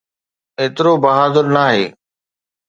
ايترو بهادر ناهي.